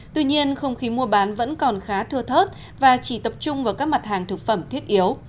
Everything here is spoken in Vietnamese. tuy nhiên không khí mua bán vẫn còn khá thưa thớt và chỉ tập trung vào các mặt hàng thực phẩm thiết yếu